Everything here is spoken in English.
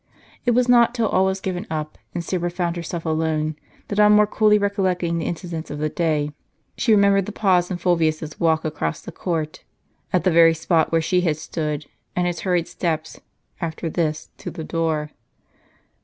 It was not till all was given up, and Syra found herself alone, that on more coolly recollecting the incidents of the day, she remembered the pause in Fulvius's walk across the court, at the very spot where she had stood, and his hurried steps, after this, to the door.